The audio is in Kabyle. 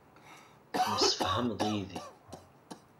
Temsefhameḍ yid-i.